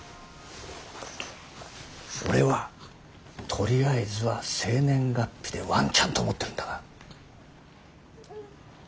俺はとりあえずは生年月日でワンチャンと思ってるんだが。